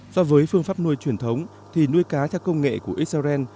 so với phương pháp nuôi truyền thống thì nuôi cá theo công nghệ của israel